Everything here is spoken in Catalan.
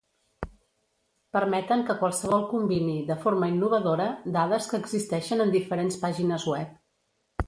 Permeten que qualsevol combini, de forma innovadora, dades que existeixen en diferents pàgines web.